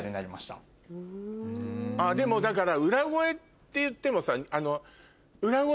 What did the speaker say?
でもだから。